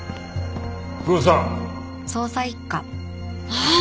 ああ